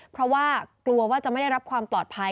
เพราะว่ากลัวว่าจะไม่ได้รับความปลอดภัย